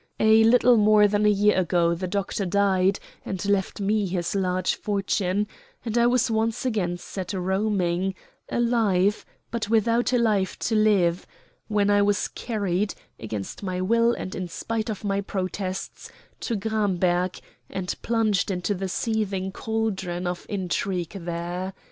A little more than a year ago the doctor died and left me his large fortune, and I was once again set roaming, alive, but without a life to live, when I was carried, against my will and in spite of my protests, to Gramberg, and plunged into the seething cauldron of intrigue there.